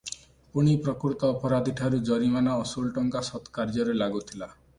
ପୁଣି ପ୍ରକୃତ ଅପରାଧୀ ଠାରୁ ଜରିମାନା ଅସୁଲ ଟଙ୍କା ସତ୍କାର୍ଯ୍ୟରେ ଲାଗୁଥିଲା ।